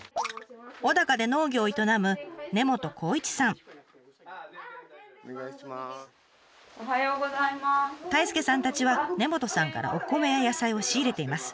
小高で農業を営む太亮さんたちは根本さんからお米や野菜を仕入れています。